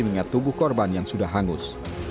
mengingat tubuh korban yang sudah hangus